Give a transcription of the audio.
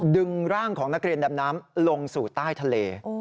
ดึงร่างของนักเรียนดำน้ำลงสู่ใต้ทะเล